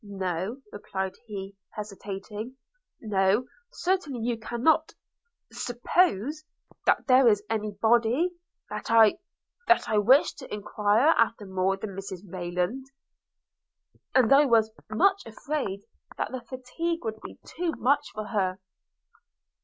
'No,' replied he, hesitating. 'No, certainly you cannot ... suppose ... that there is any body ... that I ... that I wish to enquire after more than Mrs. Rayland ... I was much afraid that the fatigue would be too much for her.'